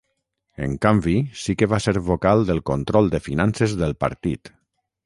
En canvi sí que va ser vocal del control de finances del partit.